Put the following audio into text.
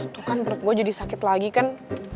itu kan perut gue jadi sakit lagi kan